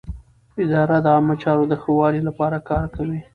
اداره د عامه چارو د ښه والي لپاره کار کوي.